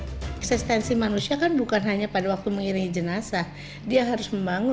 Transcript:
pertama para pelaku yang menyebut kaca depan mobilnya